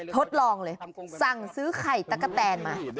ทดลองเลยสั่งซื้อไข่ตะกะแตนมา